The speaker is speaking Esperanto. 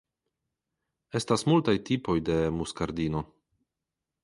Estas multaj tipoj de muskardino.